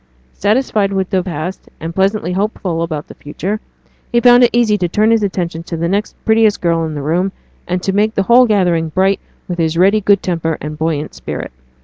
Satisfied with the past, and pleasantly hopeful about the future, he found it easy to turn his attention to the next prettiest girl in the room, and to make the whole gathering bright with his ready good temper and buoyant spirit.